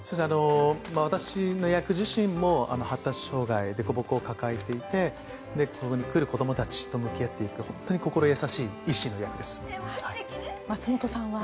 私の役自身も発達障害凸凹を抱えていて来る子供たちと向き合っていく松本さんは？